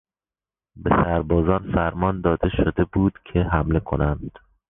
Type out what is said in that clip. به سربازان فرمان داده شده بوده که حمله کنند.